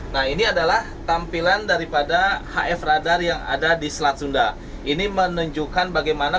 nah ini adalah tampilan daripada hf radar yang ada di selat sunda ini menunjukkan bagaimana